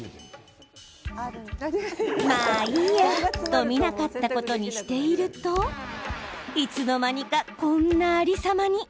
まあ、いいやと見なかったことにしているといつの間にか、こんなありさまに。